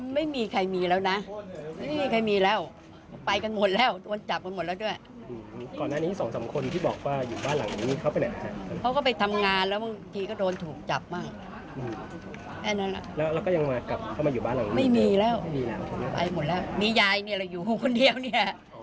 ไม่มีแล้วไปหมดแล้วมียายเนี่ยเราอยู่คนเดียวเนี่ย